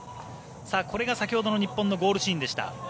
これが先ほどの日本のゴールシーンでした。